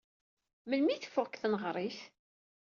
Melmi ay teffeɣ seg tneɣrit?